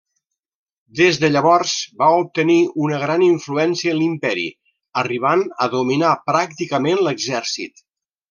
Des de llavors va obtenir una gran influència en l'Imperi, arribant a dominar pràcticament l'exèrcit.